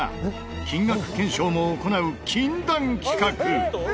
金額検証も行う、禁断企画！